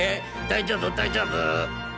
大丈夫大丈夫！